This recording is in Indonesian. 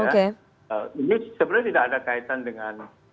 ini sebenarnya tidak ada kaitan dengan